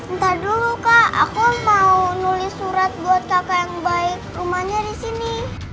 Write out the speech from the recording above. entah dulu kak aku mau nulis surat buat kakak yang baik rumahnya di sini